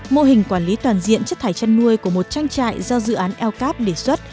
mô hình quản lý toàn diện chất thải chăn nuôi của một trang trại do dự án el cáp đề xuất